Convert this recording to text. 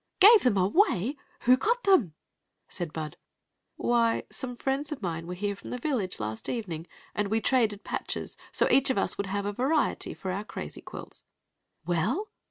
" Gave thm away ! Who got theoi ?" said Bud " Why, — mm^ friends el adiie wmre h^ne fitHn the last evening, and we traded patches, so each of us would have a variety for our crazy quilts." "Well?"